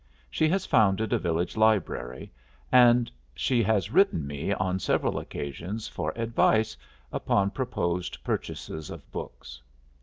She has founded a village library, and she has written me on several occasions for advice upon proposed purchases of books.